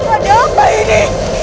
ada apa ini